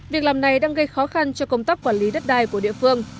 việc làm này đang gây khó khăn cho công tác quản lý đất đai của địa phương